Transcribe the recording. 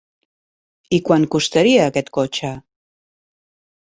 I quant costaria aquest cotxe?